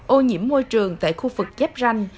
ô nhiễm môi trường tại khu vực chép ranh